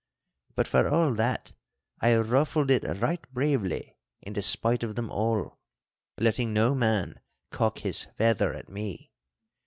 But, for all that, I ruffled it right bravely in despite of them all, letting no man cock his feather at me.